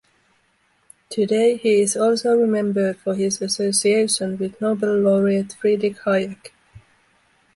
Today, he is also remembered for his association with Nobel laureate Friedrich Hayek.